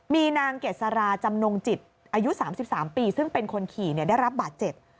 มีนางเกษราจำนงจิตอายุ๓๓ปีซึ่งเป็นคนขี่ได้รับบาดเจ็บ